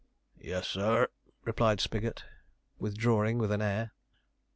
'Yes, sir,' replied Spigot, withdrawing with an air.